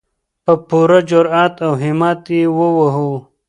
په پوره جرئت او همت یې ووهو.